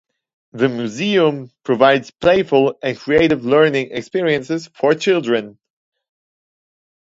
The museum provides playful and creative learning experiences for children.